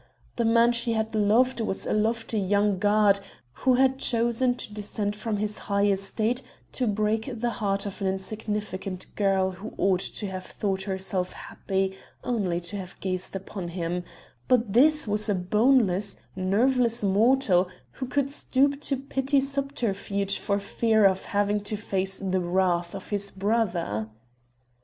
The man she had loved was a lofty young god who had chosen to descend from his high estate to break the heart of an insignificant girl who ought to have thought herself happy only to have gazed upon him; but this was a boneless, nerveless mortal, who could stoop to petty subterfuge for fear of having to face the wrath of his brother.